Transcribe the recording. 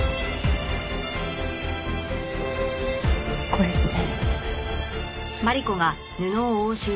これって。